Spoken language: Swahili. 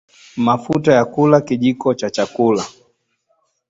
mafuta ya kula kijiko cha chakula